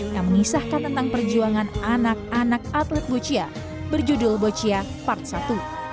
yang menisahkan tentang perjuangan anak anak atlet bocia berjudul bocia part satu